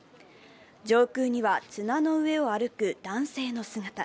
上空には綱の上を歩く男性の姿。